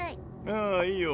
ああいいよ。